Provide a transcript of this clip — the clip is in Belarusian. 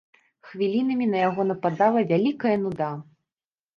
Хвілінамі на яго нападала вялікая нуда.